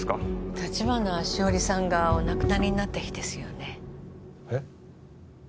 橘しおりさんがお亡くなりになった日ですよねえっ？